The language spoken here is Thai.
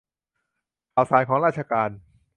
ข่าวสารของราชการ